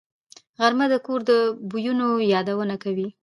غرمه د کور د بویونو یادونه کوي